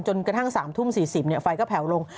กระทั่ง๓ทุ่ม๔๐ไฟก็แผลวลง